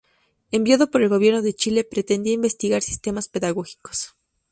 Enviado por el gobierno de Chile, pretendía investigar sistemas pedagógicos.